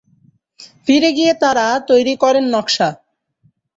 ফিরে গিয়ে তৈরি করেন নকশা।